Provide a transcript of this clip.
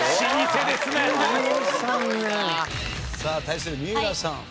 さあ対する三浦さん。